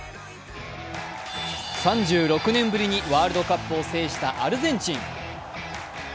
３６年ぶりにワールドカップを制したアルゼンチン。